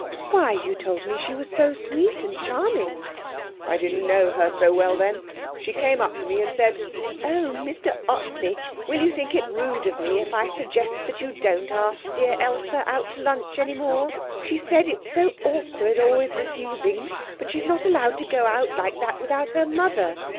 'Why, you told me she was so sweet and charming!' 'I didn't know her so well then. She came up to me and said, "Oh, Mr Ottley, will you think it rude of me if I suggest that you don't ask dear Elsa out to lunch any more? She said it's so awkward always refusing, but she's not allowed to go out like that without her mother.